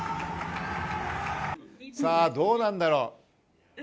どうなんだろう？